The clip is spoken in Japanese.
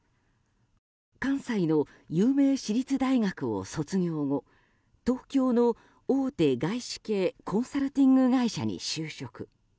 関西の有名私立大学を卒業後東京の大手外資系コンサルティング会社に就職。